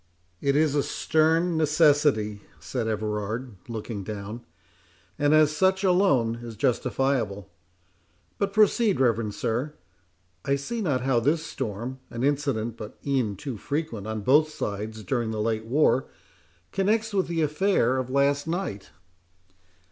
"It is a stern necessity," said Everard, looking down, "and as such alone is justifiable. But proceed, reverend sir; I see not how this storm, an incident but e'en too frequent on both sides during the late war, connects with the affair of last night."